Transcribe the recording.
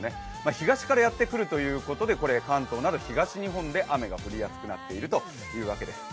東からやってくるということで関東など東日本で雨が降りやすくなっているということです。